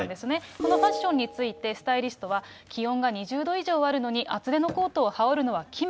このファッションについて、スタイリストは気温が２０度以上あるのに、厚手のコートを羽織るのは奇妙。